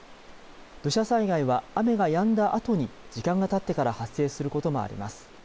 土砂災害は雨がやんだあとに時間がたってから発生することもあります。